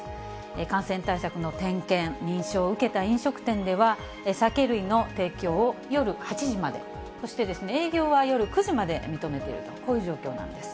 感染対策の点検、認証を受けた飲食店では、酒類の提供を夜８時まで、そして、営業は夜９時まで認めていると、こういう状況なんです。